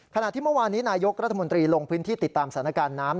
ขณะที่เมื่อวานนี้นายกรัฐมนตรีลงพื้นที่ติดตามสถานการณ์น้ำ